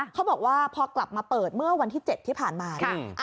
เขาบอกว่าพอกลับมาเปิดเมื่อวันที่๗ที่ผ่านมาเนี่ย